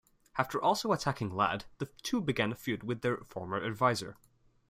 After also attacking Ladd, the two began a feud with their former adviser.